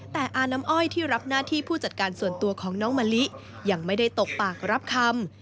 แต่อาน้ำอ้อยที่รับหน้าที่ผู้จัดการส่วนตัวของน้องมะลิยังไม่ได้ตกปากรับคำ